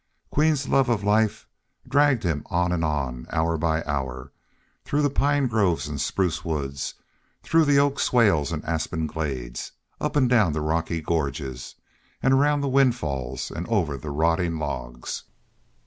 Queen's love of life dragged him on and on, hour by hour, through the pine groves and spruce woods, through the oak swales and aspen glades, up and down the rocky gorges, around the windfalls and over the rotting logs.